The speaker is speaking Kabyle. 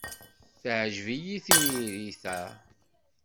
Teɛǧeb-iyi tririt-a.